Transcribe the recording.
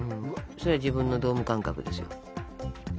それは自分のドーム感覚ですよ。